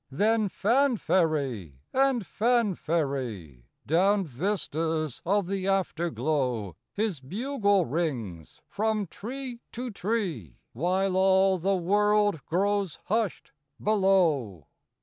Then fanfaree and fanfaree, Down vistas of the afterglow His bugle rings from tree to tree, While all the world grows hushed below.